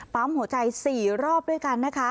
ปั๊มหัวใจ๔รอบด้วยกันนะคะ